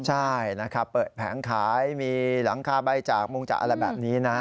ใช่นะครับเปิดแผงขายมีหลังคาใบจากมุงจากอะไรแบบนี้นะ